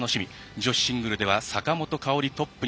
女子シングルは坂本花織がトップ。